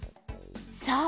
そう！